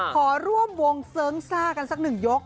ขอร่วมวงเสิร์งซ่ากันสักหนึ่งยก